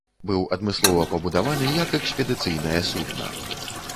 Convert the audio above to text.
Быў адмыслова пабудаваны як экспедыцыйнае судна.